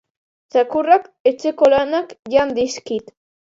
Txakurrak etxeko lanak jan dizkit